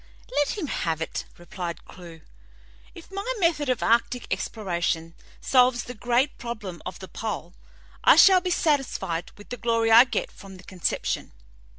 "Let him have it," replied Clewe. "If my method of arctic exploration solves the great problem of the pole, I shall be satisfied with the glory I get from the conception.